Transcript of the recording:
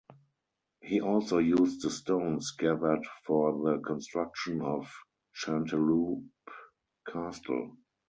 He also used the stones gathered for the construction of Chanteloup castle.